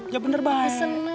ya bener baik